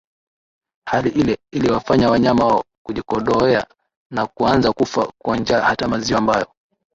Hali ile iliwafanya wanyama wao kujikondoea na kuanza kufa kwa njaa Hata maziwa ambayo